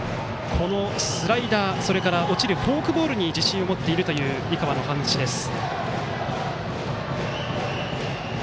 このスライダー、それから落ちるフォークボールに自信を持っているという井川の話です。